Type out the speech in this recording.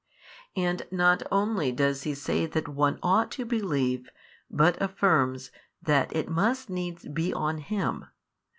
And not only does He say that one ought to believe but affirms that it must needs be on Him.